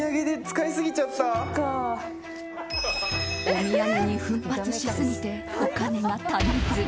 お土産に奮発しすぎてお金が足りず。